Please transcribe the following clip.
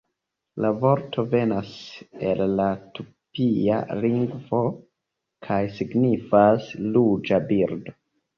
La vorto venas el la tupia lingvo kaj signifas "ruĝa birdo".